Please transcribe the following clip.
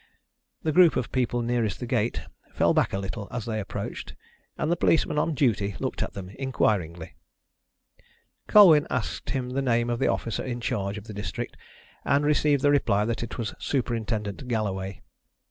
The group of people nearest the gate fell back a little as they approached, and the policeman on duty looked at them inquiringly. Colwyn asked him the name of the officer in charge of the district, and received the reply that it was Superintendent Galloway.